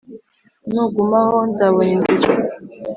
nugumaho nzabona inzira